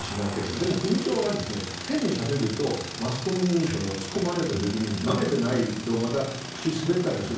でも、首長が変にしゃべるとマスコミに突っ込まれた時に慣れていないと口が滑ったりする。